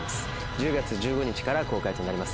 １０月１５日から公開となります